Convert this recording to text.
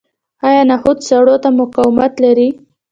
آیا نخود سړو ته مقاومت لري؟